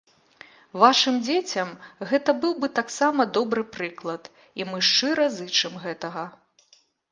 Вашым дзецям гэта быў бы таксама добры прыклад, і мы шчыра зычым гэтага.